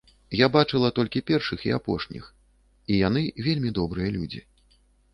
Я бачыла толькі першых і апошніх, і яны вельмі добрыя людзі.